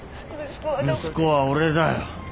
息子は俺だよ。